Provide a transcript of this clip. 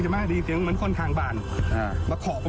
โอ้โหเนี่ยค่ะคุณผู้ชมผู้ชายกว่านี้เสื้อขาวเนี่ย